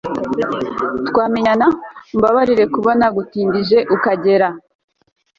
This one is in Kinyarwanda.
twamenyana umbabarire kuba nagutindije ukagera